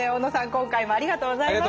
今回もありがとうございました。